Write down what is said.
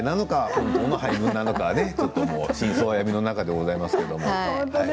本当の配分なのか真相は闇の中ですけれども。